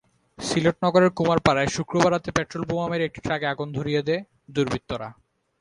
সিলেট নগরের কুমারপাড়ায় শুক্রবার রাতে পেট্রলবোমা মেরে একটি ট্রাকে আগুন ধরিয়ে দেয় দুর্বৃত্তরা।